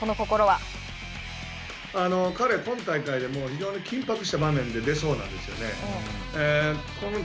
彼、今大会でも非常に緊迫した場面で出そうなんですよね。